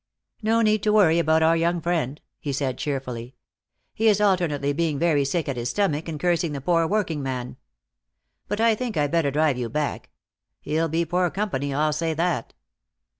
"No need to worry about our young friend," he said cheerfully. "He is alternately being very sick at his stomach and cursing the poor working man. But I think I'd better drive you back. He'll be poor company, I'll say that."